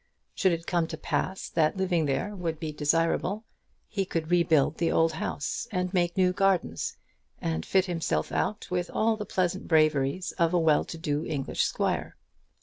Should it come to pass that living there would be desirable, he could rebuild the old house, and make new gardens, and fit himself out with all the pleasant braveries of a well to do English squire.